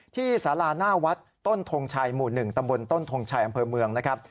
สาราหน้าวัดต้นทงชัยหมู่๑ตำบลต้นทงชัยอำเภอเมืองนะครับ